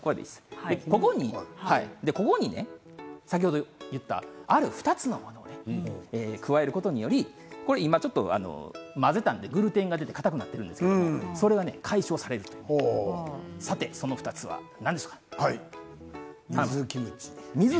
ここに、先ほど言ったある２つのものを加えることにより今ちょっと混ぜたのでグルテンが出てかたくなっているんですがそれが解消されると水キムチ。